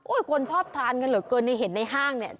คนชอบทานกันเหลือเกินในเห็นในห้างเนี่ย